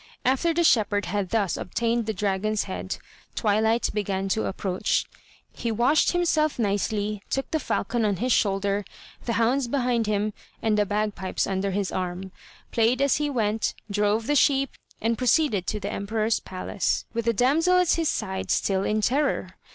After the shepherd had thus obtained the dragon's head, twilight began to approach. He washed himself nicely, took the falcon on his shoulder, the hounds behind him, and the bagpipes under his arm, played as he went, drove the sheep, and proceeded to the emperor's palace, with the damsel at his side still in terror.